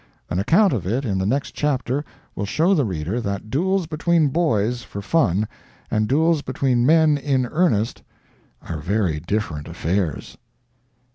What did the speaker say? An account of it, in the next chapter, will show the reader that duels between boys, for fun, and duels between men in earnest, are very different affairs.